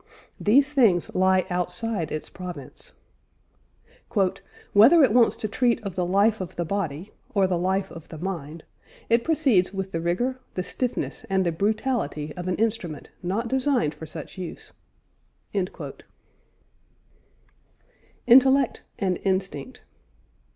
These things lie outside its province. "Whether it wants to treat of the life of the body, or the life of the mind, it proceeds with the rigour, the stiffness, and the brutality of an instrument not designed for such use." INTELLECT AND INSTINCT.